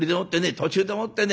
途中でもってね